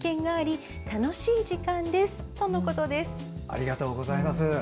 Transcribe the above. ありがとうございます。